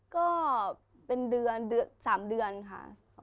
ก็เป็นเดือน๓เดือนค่ะ